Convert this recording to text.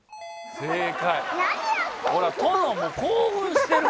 正解。